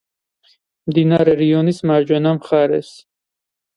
მდინარე რიონის მარჯვენა მხარეს.